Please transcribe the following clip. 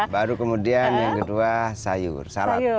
baru kemudian yang kedua sayur salad